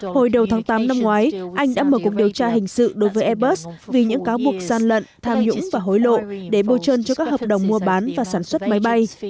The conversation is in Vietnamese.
hồi đầu tháng tám năm ngoái anh đã mở cuộc điều tra hình sự đối với airbus vì những cáo buộc gian lận tham nhũng và hối lộ để bô trơn cho các hợp đồng mua bán và sản xuất máy bay